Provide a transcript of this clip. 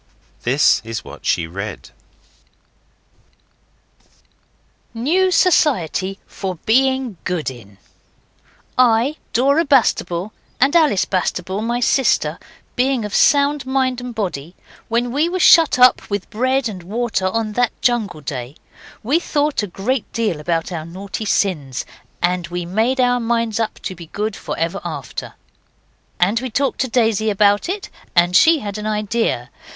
This is what she read: NEW SOCIETY FOR BEING GOOD IN 'I, Dora Bastable, and Alice Bastable, my sister, being of sound mind and body, when we were shut up with bread and water on that jungle day, we thought a great deal about our naughty sins, and we made our minds up to be good for ever after. And we talked to Daisy about it, and she had an idea.